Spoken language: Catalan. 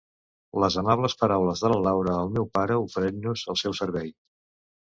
Les amables paraules de la Laura al meu pare oferint-nos el seu servei!